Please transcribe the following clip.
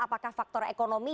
apakah faktor ekonomi